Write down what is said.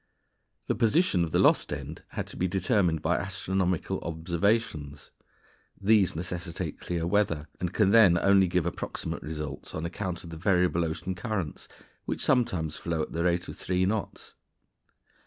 The position of the lost end had to be determined by astronomical observations. These necessitate clear weather, and can then only give approximate results on account of the variable ocean currents, which sometimes flow at the rate of three knots.